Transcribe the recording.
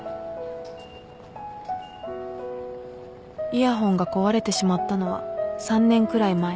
イヤホンが壊れてしまったのは３年くらい前